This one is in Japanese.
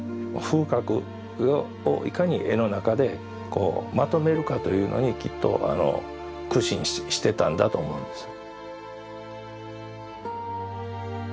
風格をいかに絵の中でこうまとめるかというのにきっとあの苦心してたんだと思うんです。